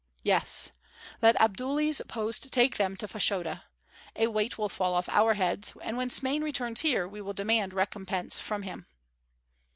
"Yes. Let Abdullahi's post take them to Fashoda. A weight will fall off our heads, and when Smain returns here we will demand recompense from him."